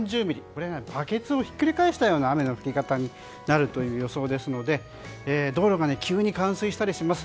これはバケツをひっくり返したような雨の降り方になる予想ですので道路が急に冠水したりします。